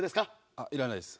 あっ要らないです。